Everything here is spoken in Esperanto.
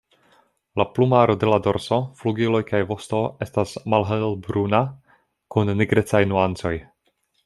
La plumaro de la dorso, flugiloj kaj vosto estas malhelbruna kun nigrecaj nuancoj.